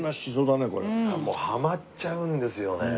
もうハマっちゃうんですよね。